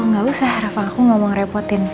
gak usah rafah aku gak mau ngerepotin